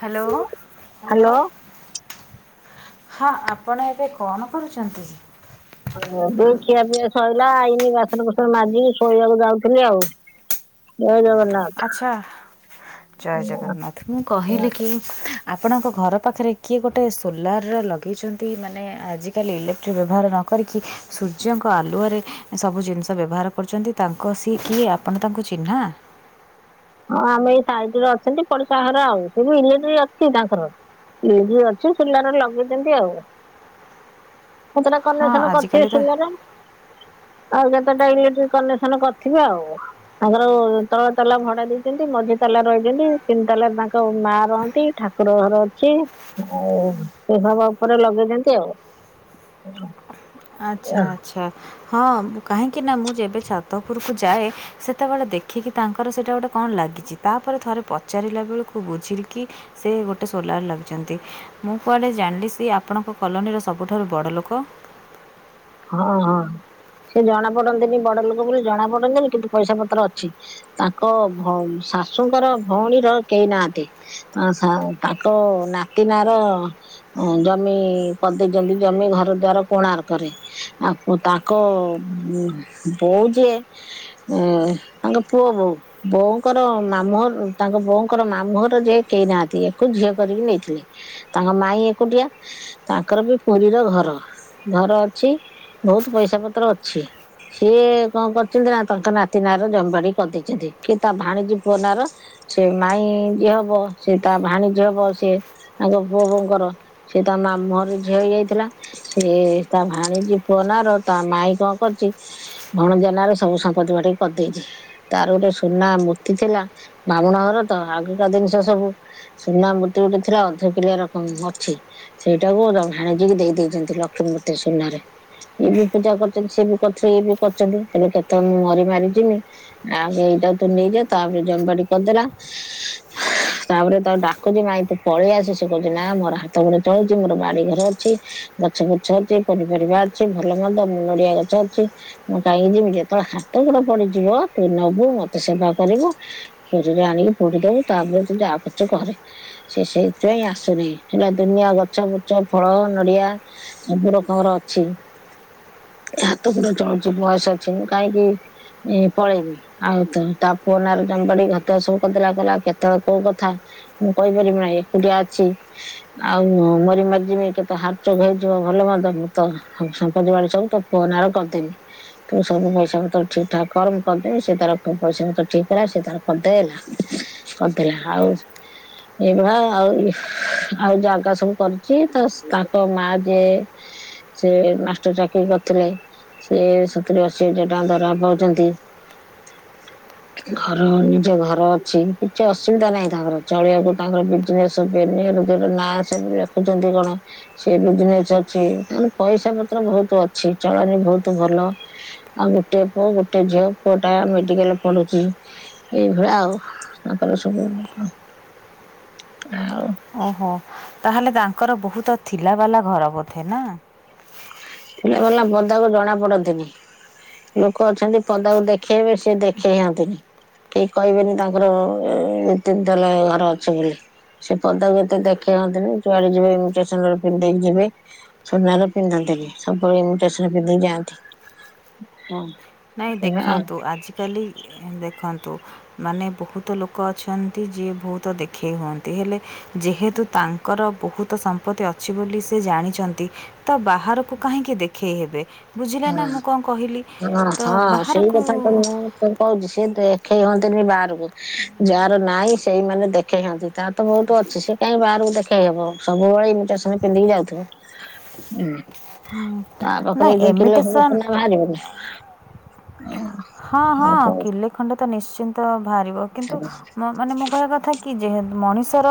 Hello hello. Hello ହ ଆପଣ ଏବେ କଣ କରୁଛନ୍ତି? ଏଇ ଖିଆ ପିଆ ଶଇଲା ଆଇନି ବାସନ କୁସନ ମାଜିକି ଶୋଇବାକୁ ଯାଉଥିଲି ଆଉ। ଜୟ ଜଗନ୍ନାଥ ଆଚ୍ଛା ଜୟ ଜଗନ୍ନାଥ ମୁଁ କହିଲି କି ଆପଣଙ୍କ ଘର ପାଖରେ କିଏ ଗୋଟେ ସୋଲାର ଲଗେଇଛନ୍ତି ମାନେ ଆଜି ଆଜି କାଲି ଇଲେକ୍ଟ୍ରି ବ୍ୟବହାର ନ କରିକି ସୂର୍ଯ୍ୟଙ୍କ ଆଲୁରେ ସବୁ ଜିନିଷ ବ୍ୟବହାର କରୁଛନ୍ତି। ତାଙ୍କ ସିଏ କିଏ ଆପଣ ତାଙ୍କୁ ଚିହ୍ନା? ହଁ ଆମେ ଏଇ ସାଇଟରେ ଅଛନ୍ତି ପଡିଶା ଘର ଆଉ ସେଠୁ ଇଲେଟ ଅଛି ତାଙ୍କର। ପିଧି ଅଛି ସିଲାର ଲଗେଇଦିଛନ୍ତି ଆଉ। ସେତଟା ହଁ କନସନ କରିଥିବେ ଆଜିକାଲି ତ ଶୋଲାରେ। ଆଉ କେତେଟା ଇଲେକ୍ଟ୍ରିକ କନେକ୍ସନ କରିଥିବେ ଆଉ ତାଙ୍କର ତଳ ତଲା ଭଡା [inaudible] ଦେଇଛନ୍ତି ମଝି ତାଲା ରହିଛନ୍ତି ତିନି ତାଲାରେ ତାଙ୍କ ମା ରହନ୍ତି ଠାକୁର ଘର ଅଛି। ହ ସେ ସବା ଉପରେ ଲଗେଇଛନ୍ତି ଆଉ। ଆଚ୍ଛା ଆଚ୍ଛା ହଁ କାହିଁକି ନା ମୁଁ ଯେବେ ଛାତଉପରକୁ ଯାଏ। ସେତେବେଳେ ଦେଖିକି ତାଙ୍କର ସେଇଟା ଗୋଟେ କଣ ଲାଗିଛି ତାପରେ ଥରେ ପଚାରିଲା ବେଳକୁ ବୁଝିଲି କି ସେ ଗୋଟେ ସୋଲାର ଲାଗିଛନ୍ତି। ମୁଁ କୁଆଡେ ଜାଣିଲି ସ ଆପଣଙ୍କ କଲୋନୀର ସବୁଠାରୁ ବଡ଼ ଲୋକ? ହଁ ହଁ ସେ ଜଣା ପଡନ୍ତିନି ବଡ ଲୋକ ବୋଲି ଜଣା ପଡନ୍ତିନି କିନ୍ତୁ ପଇସା ପତ୍ର ଅଛି। ତାଙ୍କ ଘ ଶାଶୁଙ୍କର ଭଉଣୀର କେହି ନାହାନ୍ତି। ତାଙ୍କ ନାତିନା ର ହଁ ଜମି କରିଦେଇଛନ୍ତି ଜମି ଘର ଦ୍ୱାର କୋଣାର୍କରେ। ଆ ତାଙ୍କ ବୋଉ ଯେ ଆ ତାଙ୍କ ପୁଅବଉ ବୋଉଙ୍କର ମାମୁଁ ଘ ତାଙ୍କ ବୋଉଙ୍କର ମାମୁଁ ଘର ଯିଏ କେହି ନାହାନ୍ତି ୟାକୁ ଝିଅ କରିକି ନେଇଥିଲେ। ତାଙ୍କ ମାଇଁ ଏକୁଟିଆ ତାଙ୍କର ବି ପୁରୀର ଘର ଘର ଅ ଛି ବହୁତ ପଇସା ପତ୍ର ଅଛି। ସିଏ କଣ କରିଛନ୍ତି ନା ତାଙ୍କ ନାତି ନାଁ ର ଜମବାଡି କରିଦେଇଛନ୍ତି କି ତା ଭାଣିଜ ପୁଅ ନାଁ ର। ସେ ମାଇଁ ଯିଏ ହବ ସେ ତା ଭାଣୀ ଯିଏ ହବ ସେ ତାଙ୍କ ପୁଅ ବୋଉ ଙ୍କର। ସେ ତା ମାମୁଁ ଘର ଝିଅ ହେଇଯାଇଥିଲା ସେ ତା ଭାଣିଜୀ ପୁଅ ନାଁର ତା ମାଇଁ କଣ କରିଛି। ଭଣ ଜା ନାଁରେ ସବୁ ସମ୍ପତ୍ତି ବାଡି କରିଦେଇଛି। ତାର ଗୋଟେ ସୁନା ମୂର୍ତ୍ତି ଥିଲା ବାମୁଣ ଘର ତ ଆଗିକା ଜିନିଷ ସବୁ ସୁନା ମୂର୍ତ୍ତି ଗୋଟେ ଥିଲା ଅଧ କିଲିଆ ରକମ ଅଛି। ସେଇଟାକୁ ର ଭାଣିଜି ଦେଇେଇଛନ୍ତି ଲକ୍ଷ୍ମୀ ମୂର୍ତ୍ତି ସୁନାରେ। ଇଏ ବି ପୂଜା କରିଛନ୍ତି ସିଏ ବି କରିଥିଲେ ଇଏ ବି କରିଛନ୍ତି କେତେ ମୁଁ ମରି ମାରି ଜିମି ଆଗ ଏଇଟା ତୁ ନେଇଯା ତାପରେ ଜମବାଡି କରିଦେଲା ତାପରେ ତ ଡାକୁଛି ମାଇଁ ତୁ ପଳେଇ ଆସ ସେ କହୁଛି ନା ମୋର ହାତ ଗୋଡ ଚଳୁଛି ମୋର ବାଡି ଘର ଅଛି। ଗଛ ଫୁଛ ଅଛି, ପନିପରିବା ଅଛି, ଭଲ ମନ୍ଦ, ନଡିଆ ଗଛ ଅଛି ମୁଁ କାଇଁକି ଯିବି? ଯେତେବେଳେ ହାତ ଗୋଡ ପଡିଯିବ, ତୁ ନବୁ, ମତେ ସେବା କରିବୁ ଖେରେରେ ଆଣିକି ପୋଡିଦବୁ, ତାପରେ ତୁ ଯାଆ କରୁଚୁ କରେ। ସେ ସେଇଥିପାଇଁ ଆସୁନେଇଁ, ସେରା ଦୁନିଆଁ ଗଛ ବୁଛ, ଫଳ ନଡିଆ ସବୁ ରକମର ଅଛି, ଏ ହାତ ଗୋଡ ଚଳୁଚି, ବୟସ ଅଛି, ମୁ କାଇଁକି ଏଁ ପଳେଇବି? ଆଉ ତ, ତା ପୁଅ ନାରେ ଜମ୍ବାଡି ଘଦ୍ୱାର ସବୁ କରିଦେଲା, କହିଲା କେତେବେଳେ କୋଉ କଥା ମୁଁ କହିପାରିବି ନା, ଏକୁଟିଆ ଅଛି, ଆଉ ମରି ମାରି ଯିମି କେତବେଳେ ହାଟ୍ ଚୋକ୍ ହେଇଯି ବ, ଭଲ ମନ୍ଦ, ମୁଁ ତ ସମ୍ପତି ବାଡ଼ି ସବୁ ତୋ ପୁଅ ନାଁ ରେ କରିଦେବି। ତୁ ସବୁ ପଇସା ପତର ଠିକ୍ ଠାକ୍ କର, ମୁଁ କରିଦେବି, ସେ ତାର ପଇସା ପତର ଠିକ୍ କଲା, ସେ ତାର କରିଦେଲା। କରିଦେଲା ଆଉ ଏଇଭଳିଆ ଆଉ, ଆଉ ଜାଗା ସବୁ କରିଚି ତ, ସ ତାଙ୍କ ମା ଯେ ସେ, ମାଷ୍ଟର ଚାକିରୀ କରିଥିଲେ ସେ ସତୁରି ଅଶୀ ହଜାର ଟଙ୍କା ଦରମା ପାଉଚନ୍ତି। ଘର ନିଜ ଘର ଅଛି, କିଛି ଅସୁବିଧା ନାହିଁ ତାଙ୍କର, ଚଳିଆକୁ ତାଙ୍କର ଏଇନେ ସବୁ ବେନିଅନ ଦେହରେ ନା ସବୁ ଲେଖୁଚନ୍ତି କଣ, ସେ ବି ଦିନେ ଚଚି, ପଇସା ପତ୍ର ଭଉତୁ ଅଛି, ଚଳଣି ଭଉତୁ ଭଲ। ଆଉ ଗୋଟିଏ ପୁଅ, ଗୋଟେ ଝିଅ, ପୁଅ ଟା ମେଡିକାଲ ପଢୁଛି। ଏଇଭଳିଆ ଆଉ, ତାଙ୍କର ସବୁ, ଆଉ ଓହୋ, ତାହେଲେ ତାଙ୍କର ବହୁତ ଥିଲା ବାଲା ଘର ବୋଧେ ନା? ଥିଲା ଵାଲା ପଦାକୁ ଜଣା ପଡନ୍ତିନି। ଲୋକ ଅଛନ୍ତି ପଦାକୁ ଦେଖେଇହେବେ, ସେ ଦେଖେଇ ହଅନ୍ତିନି। କେହି କହିବେନି ତାଙ୍କର ଅ, ଏ ତିନ ତାଲା ଘର ଅଛି ବୋଲି। ସେ ପଦାକୁ ଏତେ ଦେଖେଇ ହଅନ୍ତିନି, ଯୁଆଡେ ଯିବେ ଇମିଟେସନର ପିନ୍ଧି ଦେଇକି ଯିବେ, ସୁନା ର ପିନ୍ଧନ୍ତିନି, ସବୁବେଳେ ଇମିଟେସନ ପିନ୍ଧି ଯାନ୍ତି, ହଁ। ନାଇଁ ଆଉ ଦେଖନ୍ତୁ, ଆଜିକାଲି ଇ ଦେଖନ୍ତୁ ମାନେ ବହୁତ ଲୋକ ଅଛନ୍ତି, ଯିଏ ବହୁତ ଦେଖେଇ ହୁଅନ୍ତି, ହେଲେ ଯେହେତୁ ତାଙ୍କର ବହୁତ ସମ୍ପତ୍ତି ଅଛି ବୋଲି ସେ ଜାଣିଚନ୍ତି ତ ବାହାରକୁ କାହିଁକି ଦେଖେଇ ହେବେ, ବୁଝିଲେ ନା, ମୁଁ କଁ କହିଲି? ହଁ ତ ହଁ, ସେଇ ବାହାରକୁ କଥା ତ ମୁଁ ମୁଁ କଣ କହୁଚି, ସେ ଦେଖେଇ ହଅନ୍ତିନି ବାହାରକୁ, ଯାହାର ନାଇଁ ସେଇମାନେ ଦେ ଦେଖେଇହନ୍ତି, ତାର ତ ବହୁତ ଅଛି, ସେ କାଇଁ ବାହାରକୁ ଦେଖେଇ ହବ? ସବୁବେଳେ ଇମିଟେସନ ପିନ୍ଧିକି ଯାଉଥିବ। ହୁଁ, ତା ପାଖରେ ନାଇଁ ଏ ଯୋଉ କିଲେ ଖଣ୍ଡେ ଏମିଟେସନ୍ ସୁନା ବାହାରିବନି? ହଁ ହଁ, ଆଉ କଣ କିଲେ ଖଣ୍ଡେ ତ ନିଶ୍ଚିନ୍ତ ଭାରିବ, କିନ୍ତୁ ମ ମାନେ ମୁଁ କହିବା କଥା କି, ଯେହେତୁ ମଣିଷର,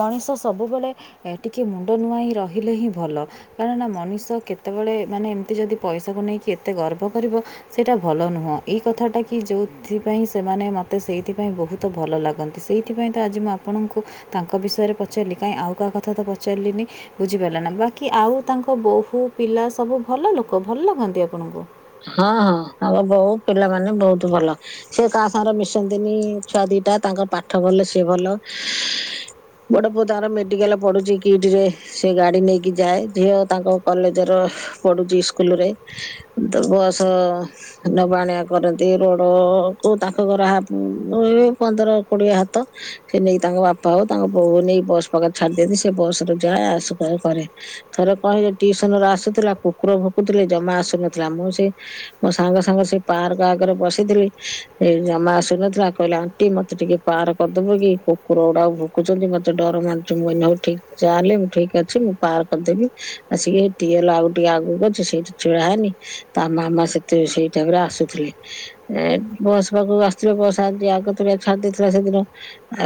ମଣିଷ ସବୁବେଳେ ଏ ଟିକେ ମୁଣ୍ଡ ନୂଆଁଇଁ ରହିଲେ ହିଁ ଭଲ। କାରଣ ମଣିଷ କେତେବେଳେ ମାନେ ଏମିତି ଯଦି ପଇସାକୁ ନେଇକି ଏତେ ଗର୍ବ କରିବ ସେଇଟା ଭଲ ନୁହଁ। ଏହି କଥାଟା କି, ଯୋଉଥିପାଇଁ ସେମାନେ ମୋତେ ସେଇଥିପାଇଁ ବହୁତ ଭଲ ଲାଗନ୍ତି, ସେଇଥିପାଇଁ ତ ଆଜି ମୁଁ ଆ ଆପଣଙ୍କୁ ତାଙ୍କ ବିଷୟରେ ପଚାରିଲି, କାଇଁ ଆଉ କାହା କଥା ତ ପଚାରିଲିନି? ବୁଝିପାରିଲ ନା, ବାକି ଆଉ ତାଙ୍କ ବୋହୂ, ପିଲା ସବୁ ଭଲ ଲୋକ? ଭଲ ଲାଗନ୍ତି ଆପଣଙ୍କୁ? ହଁ ହଁ, ତାଙ୍କ ବୋହୁ ପିଲାମାନେ ବହୁତ ଭଲ। ସେ କାହା ସାଙ୍ଗରେ ମିଶନ୍ତିନି ଛୁଆ ଦିଟା, ତାଙ୍କ ପାଠ ଭଲ ସିଏ ଭଲ। ବଡ ପୁଅ ତାଙ୍କର ମେଡିକାଲ ପଢୁଛି କିଟିରେ, ସେ ଗାଡି ନେଇକି ଯାଏ। ଝିଅ ତାଙ୍କ କଲେଜର ପଢୁଛି ଇସ୍କୁଲ ରେ, ତ ବସ ନବା ଆଣିଆ କରନ୍ତି ରୋଡ କୁ ତାଙ୍କ ଘର ହା ଏ ପନ୍ଦର କୋଡିଏ ହାତ। ସେ ନେଇ ତାଙ୍କ ବାପା ହଉ ତାଙ୍କ ବୋଉ ହଉ ନେଇକି ବସ ପାଖରେ ଛାଡିଦିଅନ୍ତି ସେ ବସରେ ଯାଏ ଆସ କରେ। ଥରେ କଣ ହେଇଜି ଟିଉସନ ରୁ ଆସୁଥିଲା କୁକୁର ଭୁକୁଥିଲେ ଜମା ଆସୁନଥିଲା ମୁଁ ସେ ମୋ ସାଙ୍ଗ ସାଙ୍ଗେ ସେ ପାର୍କ ଆଗରେ ବସିଥିଲି ଏ ଜମା ଆସୁନଥିଲା କହିଲା ଣ୍ଟି ମତେ ଟିକେ ପାର କରିଦବ କି କୁକୁର ଗୁଡା ଭୁକୁଛନ୍ତି ମତେ ଡର ମାଡୁଚି ମୁଁ କହିଲି ହଉ ଠିକ ଚାଲେ ମୁଁ ଠିକ ଅଛି ମୁଁ ପାର କରିଦେବି ଆସିକି [unintelligible] ଆଉ ଟିକେ ଆଗକୁ ଅଛି ସେଇଠି ଛିଡା ହେନି ତା ମାମା ସେତେ ସେଇଟାଇମ୍ ରେ ଆସୁଥିଲେ। ଏ ବସ୍ ପାକୁ ଆସିିବ ବସ୍ ଆଜି ଆଗତୁରିଆ ଛାଡି ଦେଇଥିଲା ସେଦିନ।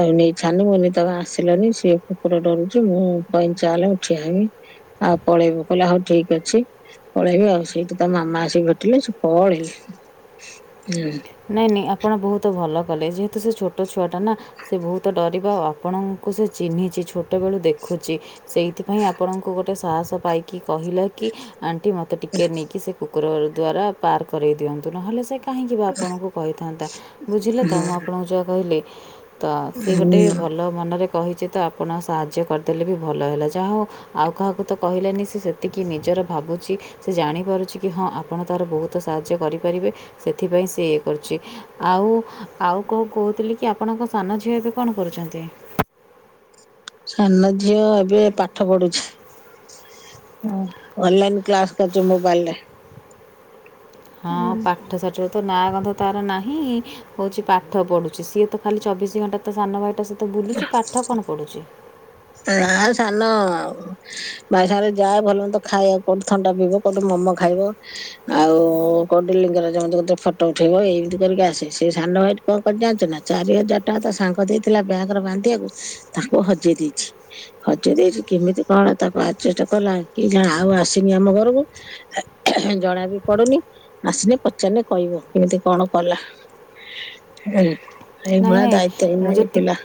ଆଉ ନେଇ ଛାଡ଼ନି [unintelligible] ଆସିଲନି ସିଏ କୁକୁର ଡରୁଛି ମୁଁ କହିଲି ଚାଲେ ମୁଁ ଠିଆ ହେବି। ଆଉ ପଳେଇବ କହିଲା ହଉ ଠିକ୍ ଅଛି ପଳେଇବି ଆଉ ସେଇଥୁ ତା ମାମା ଆସିକି ଭେଟିଲେ ସେ ପଳେଇଲେ ହୁଁ। ନାଇଁ ନାଇଁ ଆପଣ ବହୁତ ଭଲ କଲେ ଯେହେତୁ ସେ ଛୋଟ ଛୁଆଟା ନା। ସେ ବହୁତ ଡରିବା ଆଉ ଆପଣଙ୍କୁ ସେ ଚିହ୍ନିଛି ଛୋଟବେଳୁ ଦେଖୁଛି। ସେଇଥିପାଇଁ ଆପଣଙ୍କୁ ଗୋଟେ ସାହସ ପାଇକି କହିଲା କି ଆଣ୍ଟି ମ ଟିକେ ନେଇକି ସେ କୁକୁର ଦ୍ଵାରା ପାର କରେଇ ଦିଅନ୍ତୁ ନହଲେ ସେ କହିଁକି ଆପଣଙ୍କୁ କହିଥାନ୍ତା ବୁଝିଲେ ତ ମୁଁ ଆପଣଙ୍କୁ ଯାହା କହିଲି? ତ ସିଏ ଗୋଟେ ହୁଁ। ଭଲ ମନରେ କହିଚି ତ ଆପଣ ସାହାଯ୍ୟ କରିଦେଲେ ବି ଭଲ ହେଲା ଯାହା ହଉ। ଆଉ କାହାକୁ ତ କହିଲାନି ସେ ସେତିକି ନିଜର ଭାବୁଛି ସେ ଜାଣିପାରୁଛି କି ହଁ ଆପଣ ତାର ବହୁତ ସାହାଯ୍ୟ କରିପାରିବେ ସେଥିପାଇଁସେ ସେ ଇଏ କରୁଛି ଆଉ ଆଉ କୁ କହୁଥିଲି କି ଆପଣଙ୍କ ସାନ ଝିଅ ଏବେ କଣ କରୁଛନ୍ତି। ସାନ ଝିଅ ଏବେ ପାଠ ପଢୁଛି। ହ ଅନଲାଇନ୍ କ୍ଲାସ କରିଛ ମୋବାଇଲ ରେ। ହଁ ପାଠ ସା ର ତ ନାଁ ଗନ୍ଧ ତାର ନାହିଁ ହଉଛି ପାଠ ପଢ଼ୁଛି ସିଏ ତ ଖାଲି ଚବିଶି ଘଣ୍ଟା ତ ସାନ ଭାଇ ଟା ସହିତ ବୁଲୁଛି ପାଠ କଣ ପଢ଼ୁଛି। ନା ସାନ ଆଉ ଭାଇ ସାଙ୍ଗରେ ଯାଏ ଭଲ ମନ୍ଦ ଖାଇ କୋଉଠି ଥଣ୍ଡା ପିଇବ। [unintelligible] ମମୋ ଖାଇବ। ଆଉ କଉଡ଼ି ଲିଙ୍ଗରାଜ [unintelligible] ଫଟୋ ଉଠେଇବ ଏଇମିତି କରିକି ଆସେ ସେ ସାନ ଭାଇ କଣ କରି ଜାଣିଚ ନା ଚାରି ହଜାର ଟଙ୍କା ତା ସାଙ୍ଗ ଦେଇଥିଲା ବ୍ୟାଙ୍କ ର ବାନ୍ଧିିବାକୁ ତାକୁ ହଜେଇ ଦେଇଛି। ହଜି ଦେଇଛି କେମିତି କଣ ତାକୁ ଆଡଜେଷ୍ଟ କଲା କି ଜାଣ ଆଉ ଆସିନି ଆମ ଘରକୁ। ଜଣା ବି ପଡୁନି ଆସିଲେ ପଚାରିଲେ କହିବ କେମିତି କଣ କଲା। ହ ଏଇ ନାଇଁ ଭଳିଆ ନାଇଁ ଦାୟିତ୍ୟ ମୁଁ ହୀନ ଏ ଯେତିକି ପିଲା।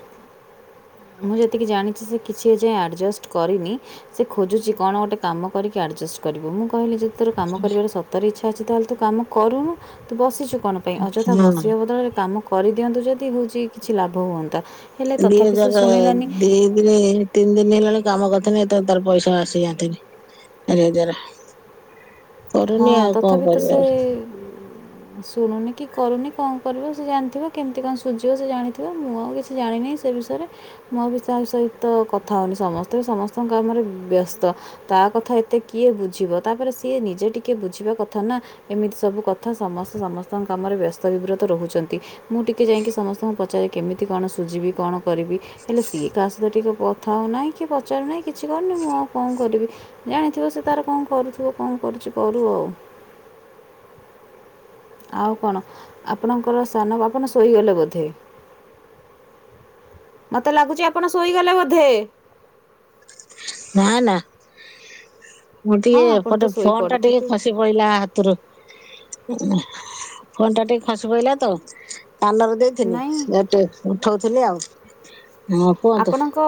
ମୁଁ ଯେତିକି ଜାଣିଛି ସେ କିଛି ଏ ଯାଏଁ ଆଡ଼ଜଷ୍ଟ କରିନି। ସେ ଖୋଜୁଛି କଣ ଗୋଟେ କାମ କରିକି ଆଡଜଷ୍ଟ କରିବୁ ମୁଁ କହିଲି ଯ ତର କାମ କରିବାର ସତରେ ଇଚ୍ଛା ଅଛି ତାହେଲେ ତୁ କାମ କରୁନୁ ତୁ ବସିଛୁ କଣ। ଅଯଥା ହଁ। ବସିବା ବଦଳରେ କାମ କରିଦିଅନ୍ତୁ ଯଦି ହଉଛି କିଛି ଲାଭ ହୁଅନ୍ତା ହେଲେ ତଥା ହଜାର ଅ ଦି ଦି ଦିନି ତିନି ଦିନ ହେଲାଣି କାମ କରିଥିଲି ଏ ତ ତାର ପଇସା ଆସିଯାନ୍ତି ଚାରି ହଜାରେ। ହଁ କରୁନି ଆଉ କଣ ତଥାପି ତ ସେ କରିବ। ଶୁଣୁନି କି କରୁନି କଣ କରିବ ସେ ଜାଣିଥିବ କେମିତି କଣ ସୁଝିବ ସେ ଜାଣିଥିବ ମୁଁ ଆଉ କିଛି ସେ ଜାଣିନି ସେ ବିଷୟରେ। ମୁଁ ବି ତା ସହିତ କଥା ହଉନି ସମସ୍ତେ ବି ସମସ୍ତଙ୍କ କାମରେ ବ୍ୟସ୍ତ। ତା କଥା ଏତେ କିଏ ବୁଝିବ ତାପରେ ସିଏ ନିଜେ ଟି ଟିକଏ ବୁଝିବା କଥା ନା ଏମିତି ସବୁ କଥା ସମସ୍ତେ ସମସ୍ତଙ୍କ କାମରେ ବ୍ୟସ୍ତ ବିବ୍ରତ ରହୁଚନ୍ତି। ମୁଁ ଟିକେ ଯାଇଁକି ସମସ୍ତଙ୍କୁ ପଚାରେ କେମିତି କଣ ସୁଜିବି କଣ କରିବି ହେଲେ ସିଏ କାହା ସହିତ ଟିକେ କ ହଁ ନାହିଁ କିଏ ପଚାରୁନାହିଁ କିଛି କରୁନି ମୁଁ ଆଉ କଣ କରିବି ଜାଣିଥିବ ସେ ତାର କଣ କରୁଥିବ କଣ କରୁଚି କରୁ ଆଉ। ଆଉ କଣ ଆପଣଙ୍କର ସାନ ଆପଣ ଶୋଇଗଲେ ବୋଧେ? ମୋତେ ଲାଗୁଚି ଆପଣ ଶୋଇଗଲେ ବୋଧେ? ନାଁ ନାଁ ମୁଁ ହଁ ଟିକେ ଆପଣ ତ ଏପଟେ ଫୋନ୍ ଟା ଟିକେ ଶୋଇପଡ଼ିଥିଲେ ଖସି ପଇଲା ହାତରୁ ଫୋନଟା ଟିକେ ଖସି ପଡ଼ିଲାତ କାନରେ ଦେଇଥିଲି ନାଇଁ ଇଆଡ଼େ ଟିକେ ଉଠଉଥିଲି ଆଉ ହଁ କୁହନ୍ତୁ? କ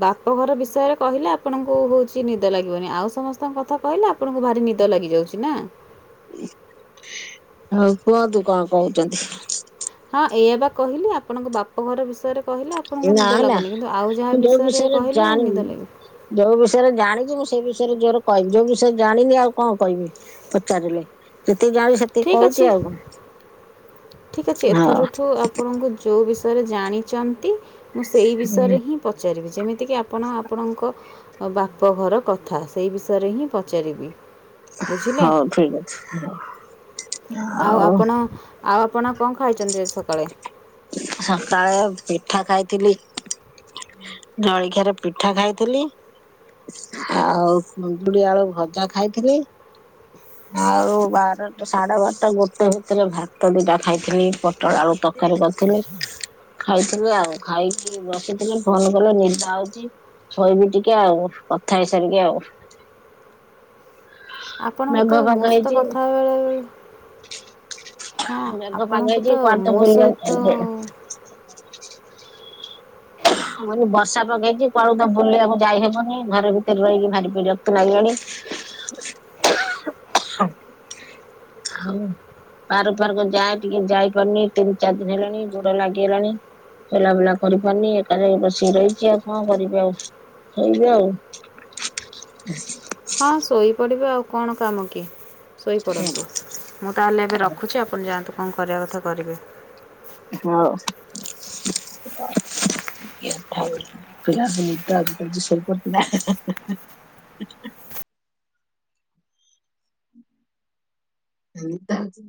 ବାପଘର ବିଷୟରେ କହିଲେ ଆପଣଙ୍କୁ ହଉଚି ନିଦ ଲାଗିବନି ଆଉ ସମସ୍ତଙ୍କ କଥା କହିଲେ ଆପ୍ ଆପଣଙ୍କୁ ଭାରି ନିଦ ଲାଗି ଯାଉଚିନା। ଆଉ କୁହନ୍ତୁ କଣ କହୁଚନ୍ତି? ହଁ ଏପା କହିଲି ଆପଣଙ୍କ ବାପ ଘର ବିଷୟରେ କହିଲେ ଆପଣଙ୍କୁ ନା ନିଦ ନା ଲାଗୁନି କିନ୍ତୁ ଆଉ ଯାହା ମୁଁ ଯୋଉ ବିଷୟରେ କହିଲେ ଜାଣିନି ନିଦ ଲାଗି ଯୋଉ ବିଷୟରେ ଜାଣିଚି ମୁଁ ସେ ବିଷୟରେ ଜୋରେ କହିବି ଯୋଉ ବିଷୟରେ ଜାଣିନି ଆଉ କଣ କହିବି। ପଚାରିଲେ ଯେତିକି ଜାଣିଚି ସେତିକି ଠିକ୍ କହୁଛି ଅଛି ଆଉ ଠିକ୍ ଅଛି କଣ ହଁ। ଏଥରଠୁ ଆପଣଙ୍କୁ ଯେଉଁ ବିଷୟରେ ଜାଣିଛନ୍ତି ମୁଁ ସେଇ ବିଷୟରେ ହିଁ ପଚାରିବି ଯେମିତିକି ଆପଣ ଆପଣଙ୍କ ବାପଘର କଥା ସେଇ ବିଷୟରେ ହିଁ ପଚାରିବି। ବୁଝିଲେ ହଉ ଠିକ୍ ଅଛି। ଆଉ ଆପଣ ଆଉ ଆପଣ କଣ ଖାଇଚନ୍ତି ଆଜି ସକାଳେ? ସକାଳେ ପିଠା ଖାଇଥିଲି। ଯଳଖିଆରେ ପିଠା ଖାଇଥିଲି। ଆଉ କୁନ୍ଦୁରି ଆଳୁ ଭଜା ଖାଇଥିଲି। ଆଉ ବାରଟା ସାଢେ ବାରଟା ଗୋଟେ ଭିତରେ ଭାତ ଦିଟା ଖାଇଥିଲି ପୋଟଳ ଆଳୁ ତରକାରୀ କରିଥିଲି। ଖାଇଥିଲି ଆଉ ଖାଇକି ବସିଥିଲେ ଫୋନ୍ କଲେ ନିଦ ହଉଚି ଶୋଇିବି ଟିକେ ଆଉ କଥା ହେଇସାରିକି ଆଉ। [inaudible] ମେଘ ଆପଣଙ୍କୁତ ପାଗ ମୋ ସହିତ ହେଇଛି କଥାହେବା ବେଳେବେଳେ ହଁ ମେଘ ଆପଣଙ୍କୁ ତ ପାଗହେଇଚି କୁଆଡ଼େ ଟିକେ ମୋ ସହିତ ବୁଲିବାକୁ ଯିବି। ମୁଁକଇନି ବର୍ଷା ପାଗହେଇଚି କୁଆଡ଼େତ ବୁଲିବାକୁ ଯାଇହବନି ଘର ଭିତରେ ରହିକି ଭାରି ବିରକ୍ତ ଲାଗିଲାଣି [inaudible] [unintelligible] ସ ହଉ ବାହାର ଦୁଆରକୁ ଯାଏ ଟିକେ ଯାଇପାରୁନି ତିନି ଚାରି ଦିନି ହେଲାଣି ଗୁଡ଼ୋ ଲାଗିଗଲାଣି। ଚଲାବୁଲା କରିପାରୁନି ଘରେ ବସିକି ରହିଚି ଆଉ କଣ କରିବି ଆଉ ସୋଇବି ଆଉ। ହଁ ଶୋଇପଡ଼ିବେ ଆଉ କଣ କାମକି ଶୋଇପଡ଼ନ୍ତୁ। ମୁଁ ତାହେଲେ ଏବେ ରଖୁଛି ଆପଣ ଯାଆନ୍ତୁ କଣ କରିବା କଥା କରିବେ। ହଁ। ସେଥାଉ ପିଲା ପିଲିତ [unintelligible] ହୋଇପଡ଼ିଥିଲା। [inaudible] ନିଦ ଆଉଚି